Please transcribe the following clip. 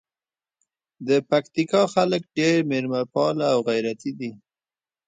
د پکتیکا خلګ ډېر میلمه پاله او غیرتي دي.